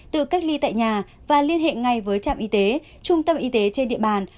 tự cách ly tại nhà và liên hệ ngay với trạm y tế trung tâm y tế trên địa bàn